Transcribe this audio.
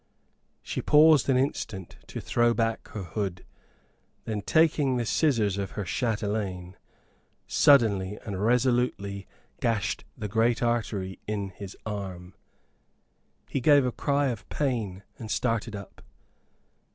She paused an instant to throw back her hood; then taking the scissors of her chatelaine, suddenly and resolutely gashed the great artery in his arm. He gave a cry of pain and started up.